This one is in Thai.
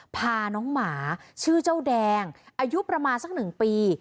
พาน้องหมาชื่อเจ้าแดงอายุประมาณสัก๑ปี